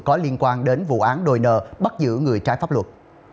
có liên quan đến vụ án đồi nợ bắt giữ người trái pháp luật